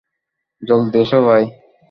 জলদি এসো, ভাই।